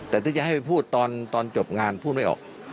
แต่ที่จะให้ไปพูดตอนจบงานพูดไม่ออก